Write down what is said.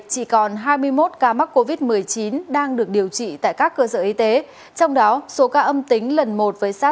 chỉ còn hai mươi một ca mắc covid một mươi chín đang được điều trị tại các cơ sở y tế trong đó số ca âm tính lần một với sars